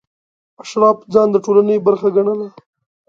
اشراف ځان د ټولنې برخه ګڼله.